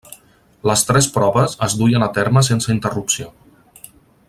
Les tres proves es duien a terme sense interrupció.